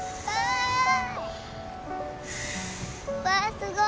すごい！